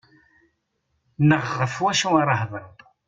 Neɣ ɣef wacu ara hedren.